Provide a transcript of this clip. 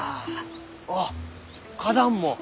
あっ花壇も。